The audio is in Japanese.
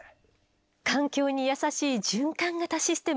環境にやさしい循環型システム。